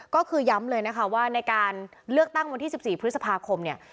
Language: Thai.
ก็คือย้ำเลยนะคะว่าในการเลือกตั้งวันที่๑๔พฤษภาคมเนี่ย